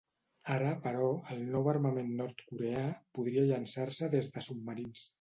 Ara, però, el nou armament nord-coreà podria llançar-se des de submarins.